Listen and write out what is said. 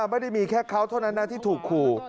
ไม่ได้มีแค่เขาเท่านั้นนะที่ถูกขู่